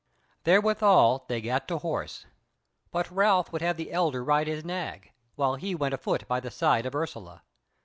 Therewithall they gat to horse; but Ralph would have the Elder ride his nag, while he went afoot by the side of Ursula.